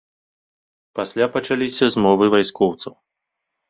Пасля пачаліся змовы вайскоўцаў.